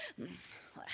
ほら。